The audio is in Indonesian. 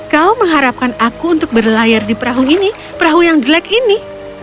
kau mengharapkan aku untuk berlayar di perahu ini perahu yang jelek ini